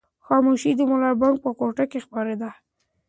خاموشي د ملا بانګ په کوټه کې خپره ده.